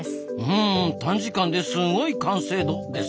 うん短時間ですごい完成度ですな。